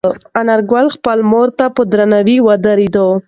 انارګل خپلې مور ته په درناوي ودرېد.